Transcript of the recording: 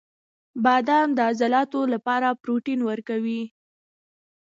• بادام د عضلاتو لپاره پروټین ورکوي.